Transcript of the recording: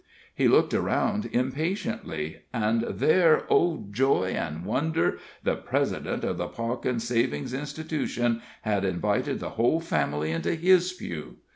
He looked around impatiently, and there, O, joy and wonder! the president of the Pawkin Savings' Institution had invited the whole family into his pew!